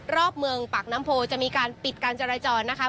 รอบเมืองปากน้ำโพจะมีการปิดการจราจรนะคะ